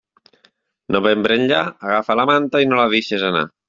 Novembre enllà, agafa la manta i no la deixes anar.